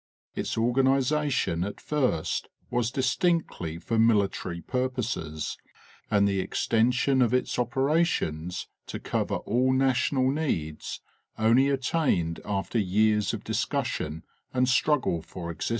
Its organization at first was distinctly for military purposes, and the extension of its operations to cover all national needs only attained after years of discussion, and struggle for existence.